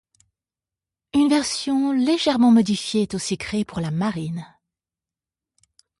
Une version légèrement modifiée est aussi créée pour la Marine.